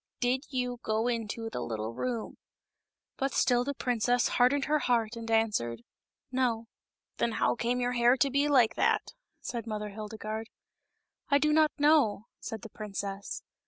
Did you go into the little room ?" But still the princess hardened her heart and answered " No." " Then how came your hair to be like that ?'* said Mother Hildegarde. " I do not know," said the princess.